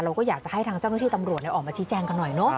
เราก็อยากจะให้ทางเจ้าหน้าที่ตำรวจออกมาชี้แจงกันหน่อยเนอะ